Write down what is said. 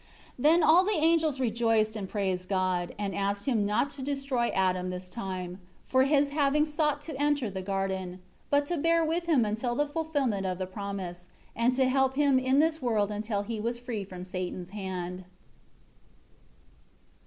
16 Then all the angels rejoiced and praised God, and asked Him not to destroy Adam this time, for his having sought to enter the garden; but to bear with him until the fulfillment of the promise; and to help him in this world until he was free from Satan's hand.